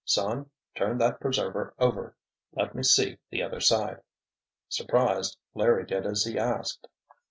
"Son, turn that preserver over—let me see the other side." Surprised, Larry did as he asked.